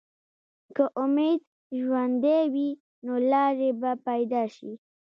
که امید ژوندی وي، نو لارې به پیدا شي.